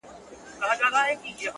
چي پر هرقدم د خدای شکر کومه -